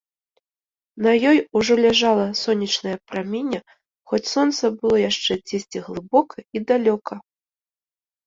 На ёй ужо ляжала сонечнае праменне, хоць сонца было яшчэ дзесьці глыбока і далёка.